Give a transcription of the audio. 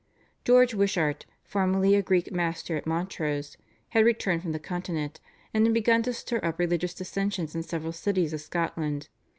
George Wishart, formerly a Greek master at Montrose, had returned from the Continent, and had begun to stir up religious dissension in several cities of Scotland.